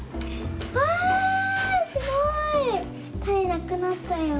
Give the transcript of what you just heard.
わあすごい！たねなくなったよ。